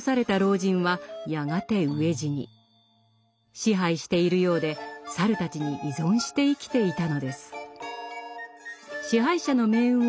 支配しているようで猿たちに依存して生きていたのです。